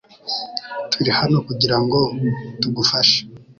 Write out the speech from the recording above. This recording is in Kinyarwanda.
Turi hano kugirango tugufashe .